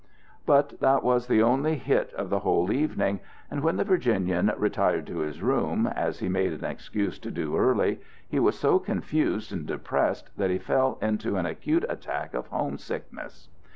But that was the only hit of the whole evening, and when the Virginian retired to his room, as he made an excuse to do early, he was so confused and depressed that he fell into an acute attack of homesickness.